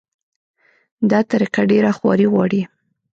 دا طریقه ډېره خواري غواړي.